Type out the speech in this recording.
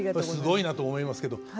これすごいなと思いますけど。